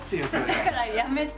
だからやめて。